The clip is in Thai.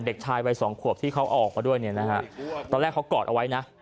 เด็กชายวัยสองขวบที่เขาออกมาด้วยเนี่ยนะฮะตอนแรกเขากอดเอาไว้นะ